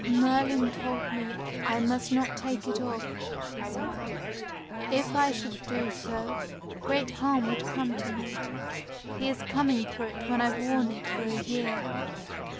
"Merlin told me I must not take it off," she said. "If I should do so, great harm would come to me. He is coming for it when I've worn it for a year."